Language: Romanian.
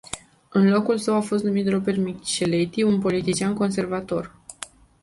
În locul său a fost numit Roberto Michelletti, un politician conservator.